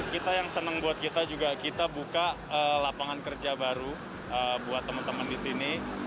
kita yang senang buat kita juga kita buka lapangan kerja baru buat teman teman di sini